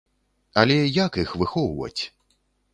Але як іх выхоўваць?